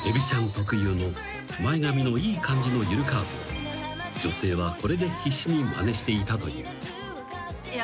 特有の前髪のいい感じの緩カーブを女性はこれで必死にまねしていたという］